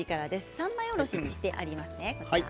三枚おろしにしてありますね。